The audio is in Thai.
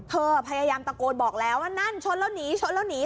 พยายามตะโกนบอกแล้วว่านั่นชนแล้วหนีชนแล้วหนี